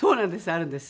あるんです。